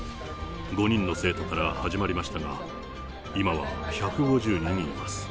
５人の生徒から始まりましたが、今は１５０人います。